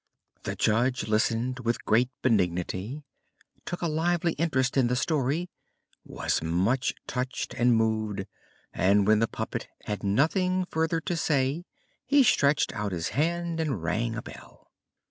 The judge listened with great benignity; took a lively interest in the story; was much touched and moved; and when the puppet had nothing further to say he stretched out his hand and rang a bell.